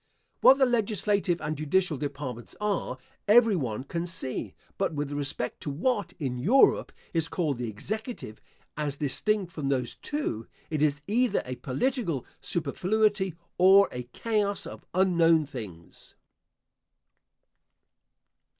What the legislative and judicial departments are every one can see; but with respect to what, in Europe, is called the executive, as distinct from those two, it is either a political superfluity or a chaos of unknown things.